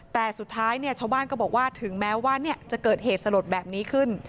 แต่สุดท้ายชาวบ้านก็บอกว่าถึงแม้ว่าจะเกิดเหตุสลดแบบนี้ขึ้น